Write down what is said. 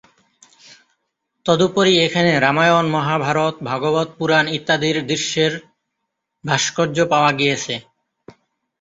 তদুপরি এখানে রামায়ণ, মহাভারত, ভাগবত পুরাণ ইত্যাদির দৃশ্যের ভাস্কর্য পাওয়া গিয়েছে।